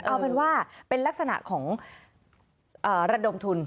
เอาเป็นว่าเป็นลักษณะของระดมทุน